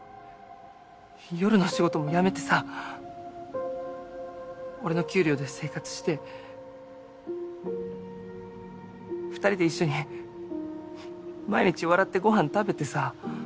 夜の仕事も辞めてさ俺の給料で生活して二人で一緒に毎日笑ってご飯食べてさ。